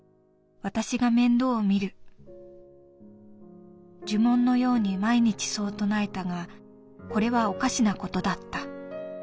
私が面倒をみる』呪文のように毎日そう唱えたがこれはおかしなことだった。